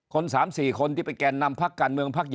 คน๓๔คนที่ไปแก่นนำพักการเมืองพัก